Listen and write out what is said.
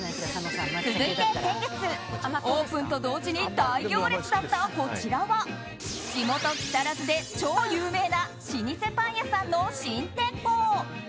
続いて先月オープンと同時に大行列だったこちらは、地元・木更津で超有名な老舗パン屋さんの新店舗。